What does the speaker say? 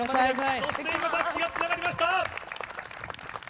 そして、今、たすきがつながりました。